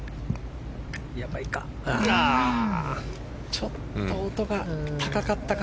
ちょっと音が高かったか。